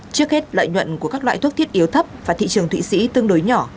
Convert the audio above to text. trước hết lợi nhuận của các loại thuốc thiết yếu thấp và thị trường thụy sĩ tương đối nhỏ